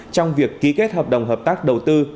trong việc ký kết hợp đồng hợp tác đầu tư